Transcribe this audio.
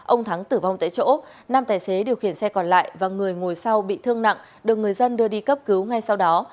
ông thắng tử vong tại chỗ năm tài xế điều khiển xe còn lại và người ngồi sau bị thương nặng được người dân đưa đi cấp cứu ngay sau đó